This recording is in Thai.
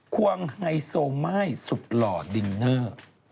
ควงไฮโซม่ายสุดหล่อดินเนอร์